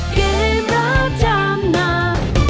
เกมรับจำนำ